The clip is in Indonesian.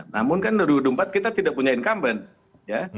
namun kan dua ribu empat kita tidak punya incumbent ya